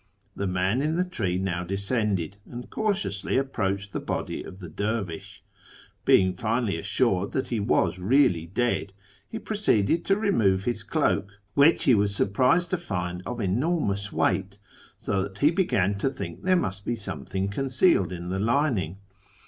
The man in the tree now descended, and cautiously approached the body of the dervish. Being finally assured that he was really dead, he proceeded to remove his cloak, which he was surprised to find of enormous weight, so that he began to think there must be something concealed in the lining.